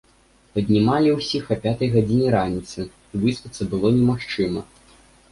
Паднімалі ўсіх а пятай гадзіне раніцы, і выспацца было немагчыма.